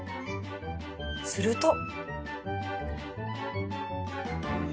すると。